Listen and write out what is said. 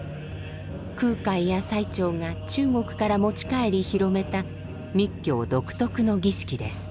空海や最澄が中国から持ち帰り広めた密教独特の儀式です。